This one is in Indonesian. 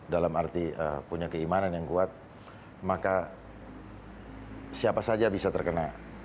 dalam arti punya keimanan yang kuat maka siapa saja bisa terkena